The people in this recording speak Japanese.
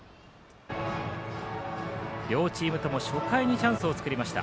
両チームとも初回にチャンスを作りました。